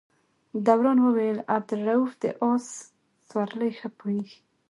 دوران وویل عبدالروف د آس سورلۍ ښه پوهېږي.